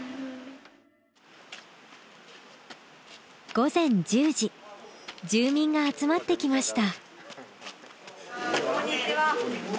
午前１０時住民が集まってきました。